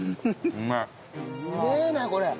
うめえなこれ。